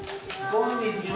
こんにちは。